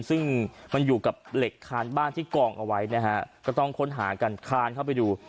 ซึ่งมันอยู่กับเหล็กคานบ้านที่กองเอาไว้นะฮะก็ต้องค้นหากันคานเข้าไปดู